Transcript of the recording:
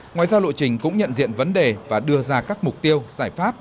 ngoài ra lộ trình cũng nhận diện vấn đề và đưa ra các mục tiêu giải pháp